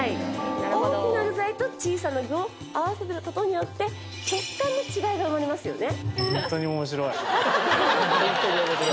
大きな具材と小さな具を合わせることによって食感の違いが生まれますよね？